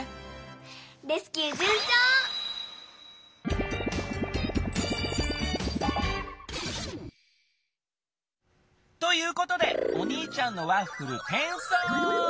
レスキューじゅんちょう！ということでおにいちゃんのワッフルてんそう！